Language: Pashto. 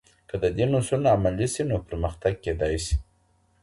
که د دین اصول عملي سي، نو پرمختګ کيدای سي.